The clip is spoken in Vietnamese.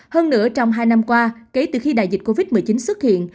hơn nữa trong hai năm qua kể từ khi đại dịch covid một mươi chín xuất hiện